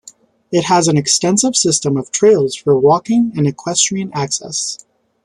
It has an extensive system of trails for walking and equestrian access.